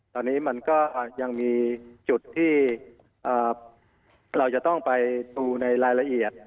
ตอนนี้มันก็ยังมีจุดที่เราจะต้องไปดูในรายละเอียด